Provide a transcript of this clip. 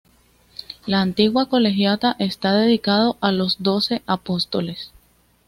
La antigua colegiata está dedicado a los doce Apóstoles.